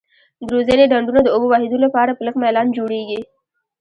د روزنې ډنډونه د اوبو بهیدو لپاره په لږ میلان جوړیږي.